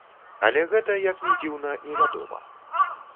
Але гэта, як ні дзіўна, невядома.